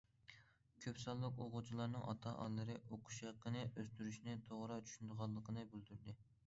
كۆپ سانلىق ئوقۇغۇچىلارنىڭ ئاتا- ئانىلىرى ئوقۇش ھەققىنى ئۆستۈرۈشنى توغرا چۈشىنىدىغانلىقىنى بىلدۈردى.